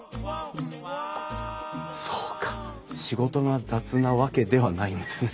そうか仕事が雑なわけではないんですね。